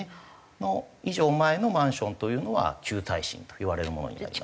以上前のマンションというのは旧耐震といわれるものになります。